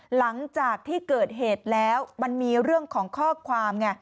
หลังจากที่เกิดเหตุแล้วมันมีเรื่องของข้อความไง